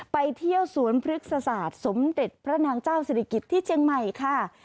ไปเที่ยวสวนพฤกษศาสตร์สมเด็จพระนางเจ้าศิริกิจที่เชียงใหม่ค่ะ